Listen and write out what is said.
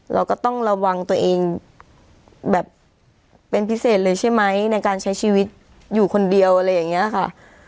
เราก็ต้องระวังตัวเองแบบเป็นพิเศษเลยใช่ไหมในการใช้ชีวิตอยู่คนเดียวอะไรอย่างนี้ค่ะ